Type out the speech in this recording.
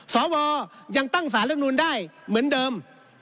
สวยังตั้งสารรับนูนได้เหมือนเดิม